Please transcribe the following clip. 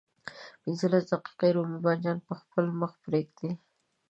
پنځلس دقيقې رومي بانجان په خپل مخ پرېږدئ.